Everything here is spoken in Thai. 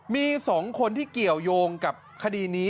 มี๒คนที่เกี่ยวยงกับคดีนี้